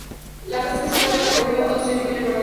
La base está situada en un pueblo Austriaco llamado St.